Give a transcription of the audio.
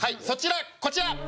そちらこちら。